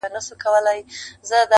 زړه چي ستا عشق اکبر کي را ايسار دی